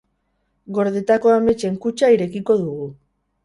Gordetako ametsen kutxa irekiko dugu.